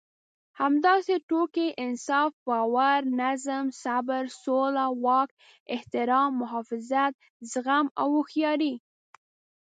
همداسې ټوکې، انصاف، باور، نظم، صبر، سوله، واک، احترام، محافظت، زغم او هوښياري.